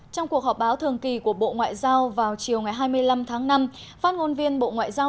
trong cuộc họp báo thường kỳ của bộ ngoại giao vào chiều ngày hai mươi năm tháng năm phát ngôn viên bộ ngoại giao